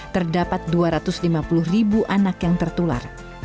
terdapat dua ratus lima puluh ribu anak yang tertular